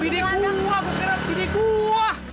bidik buah bu bidik buah